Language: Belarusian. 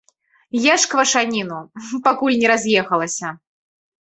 Еш квашаніну, пакуль не раз'ехалася.